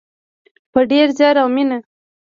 په ډیر زیار او مینه.